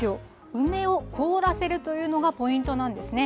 梅を凍らせるというのがポイントなんですね。